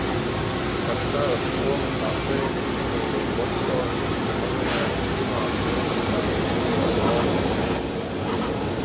Par savas lomas atveidi Emilija Votsone tika nominēta divām Lielbritānijas kino balvām.